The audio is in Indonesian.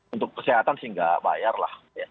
untuk kesehatan sih nggak bayar lah